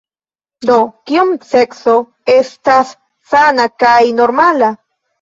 "Do, Kiom sekso estas sana kaj normala?"